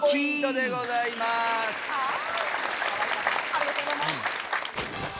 ありがとうございます！